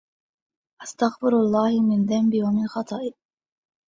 أستغفر الله من ذنبي ومن خطئي